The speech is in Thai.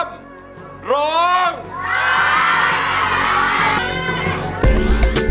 โปรดติดตามตอนต่อไป